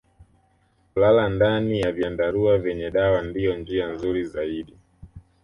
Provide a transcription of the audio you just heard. Kulala ndani ya vyandarua vyenye dawa ndiyo njia nzuri zaidi